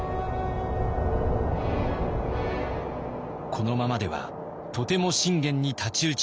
このままではとても信玄に太刀打ちできない。